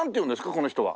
この人は。